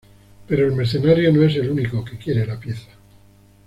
Pero el mercenario no es el único que quiere la pieza.